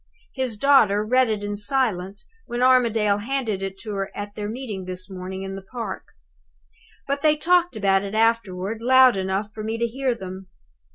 His daughter read it in silence, when Armadale handed it to her at their meeting this morning, in the park. But they talked about it afterward, loud enough for me to hear them.